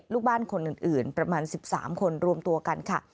ลูกบ้านคนอื่นประมาณ๑๓คนรวมตัวกันค่ะ